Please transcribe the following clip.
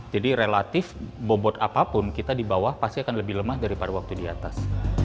jadi relatif bobot apapun kita di bawah pasti akan lebih lemah daripada waktu di atas